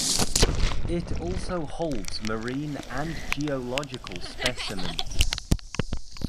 It also holds marine and geological specimens.